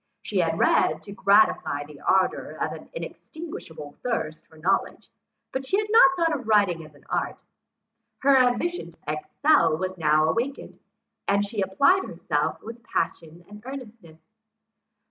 She had read, to gratify the ardour of an inextinguishable thirst of knowledge; but she had not thought of writing as an art. Her ambition to excel was now awakened, and she applied herself with passion and earnestness.